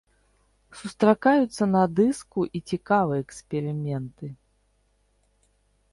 Сустракаюцца на дыску і цікавыя эксперыменты.